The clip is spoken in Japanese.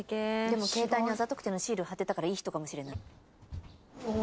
でも携帯に『あざとくて』のシール貼ってたからいい人かもしれない。